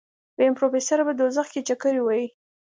ويم پروفيسر په دوزخ کې چکرې وهي.